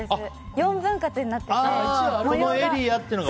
４分割になってて、模様が。